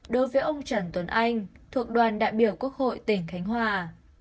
đối với ông trần tuấn anh thuộc đoàn đại biểu quốc hội tỉnh khánh hòa